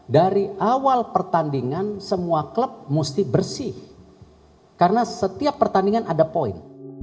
dari awal pertandingan semua klub mesti bersih karena setiap pertandingan ada poin